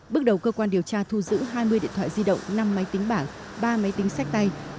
bước đầu cơ quan điều tra thu giữ hai mươi điện thoại di động năm máy tính bảng ba máy tính sách tay